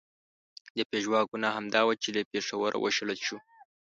د پژواک ګناه همدا وه چې له پېښوره و شړل شو.